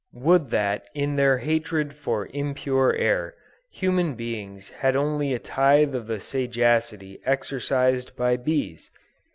Would that in their hatred for impure air, human beings had only a tithe of the sagacity exercised by bees!